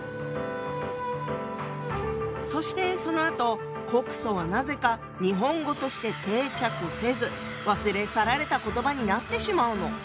そしてそのあと「告訴」はなぜか日本語として定着せず忘れ去られた言葉になってしまうの。